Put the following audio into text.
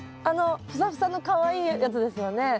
あのふさふさのかわいいやつですよね？